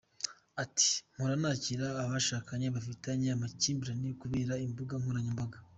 Ati “ Mpora nakira abashakanye bafitanye amakimbirane kubera imbuga nkoranyambaga.